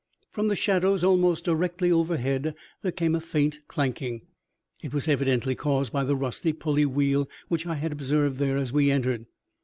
From the shadows almost directly overhead there came a faint clanking. It was evidently caused by the rusty pulley wheel which I had observed there as we entered.